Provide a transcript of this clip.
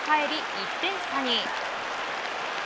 １点差に。